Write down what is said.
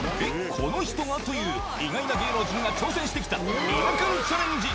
この人が」という意外な芸能人が挑戦してきた違和感チャレンジ